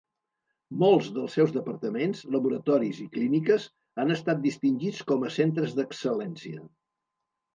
Molts dels seus departaments, laboratoris i clíniques han estat distingits com a Centres d'Excel·lència.